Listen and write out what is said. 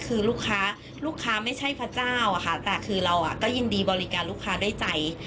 คือลูกค้าไม่ใช่พระเจ้าแต่เราก็ยินดีบริการลูกค้าด้วยใจ